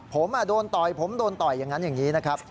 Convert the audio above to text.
ผมโดนต่อยผมโดนต่อยอย่างนั้นอย่างนี้นะครับ